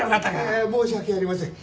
ええ申し訳ありません。